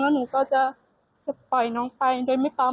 หนูก็จะปล่อยน้องไปโดยไม่ปั๊ม